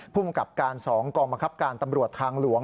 ภูมิกับการ๒กองบังคับการตำรวจทางหลวง